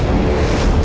aku akan menangkapmu